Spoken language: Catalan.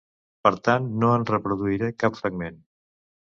Per tant, no en reproduiré cap fragment.